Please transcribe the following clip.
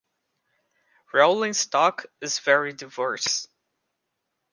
Rolling stock is very diverse.